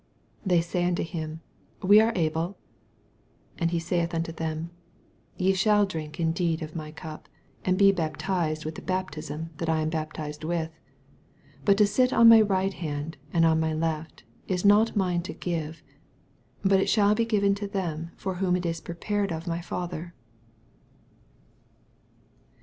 They say unto him. We are able. 28 And he saith unto them, Ye shall drink indeed of my cnp, and bi baptized with the baptism that 1 am baptized with : but to sit on my right hand, and on mv left^ is not mine to give, but it thau he gvven to tAem.&r I whom it is prepared of my Father.